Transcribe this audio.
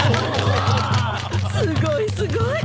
すごいすごい。